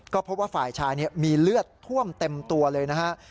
ก็พบว่าฝ่ายชายมีเลือดท่วมเต็มตัวเลยนะฮะ